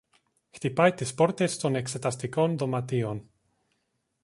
χτυπάει τις πόρτες των εξεταστικών δωματίων